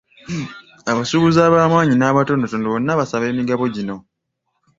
Abasuubuzi ab'amaanyi n'abatonotono bonna basaba emigabo gino.